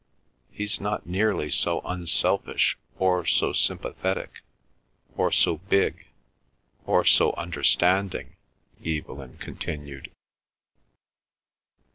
"He's not nearly so unselfish, or so sympathetic, or so big, or so understanding," Evelyn continued.